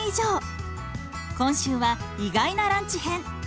今週は意外なランチ編。